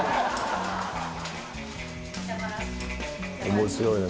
「面白いな。